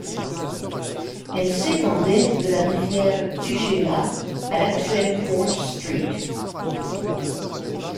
Elle s'étendait de la rivière Tugela à l'actuel Port St.